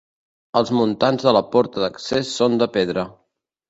Els muntants de la porta d’accés són de pedra.